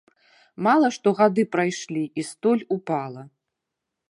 Мала што гады прайшлі і столь упала.